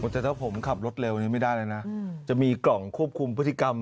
แต่ถ้าผมขับรถเร็วนี้ไม่ได้เลยนะจะมีกล่องควบคุมพฤติกรรม